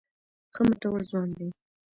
ښه مټور ځوان دی.